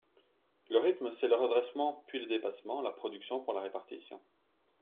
Le rythme, c’est le redressement puis le dépassement, la production pour la répartition.